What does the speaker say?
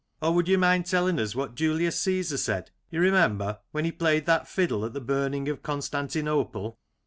Or, would you mind telling us what Julius Caesar said, you remember, when he played that fiddle at the burning of Constantinople